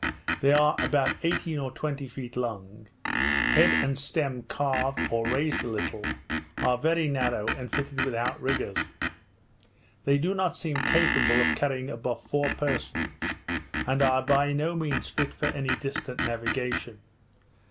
They are about eighteen or twenty feet long, head and stem carved or raised a little, are very narrow, and fitted with out riggers. They do not seem capable of carrying above four persons, and are by no means fit for any distant navigation.